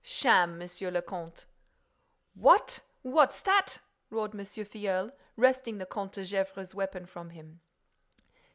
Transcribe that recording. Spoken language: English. "Sham, Monsieur le Comte!" "What? What's that?" roared M. Filleul, wresting the Comte de Gesvres's weapon from him.